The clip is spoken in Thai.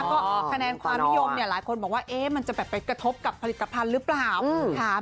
ก็ขนานความนิยมหลายคนบอกว่ามันจะไปกระทบกับผลิตกภัณฑ์หรือเปล่า